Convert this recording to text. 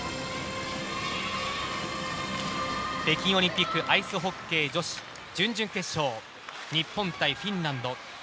北京オリンピックアイスホッケー女子準々決勝日本対フィンランド。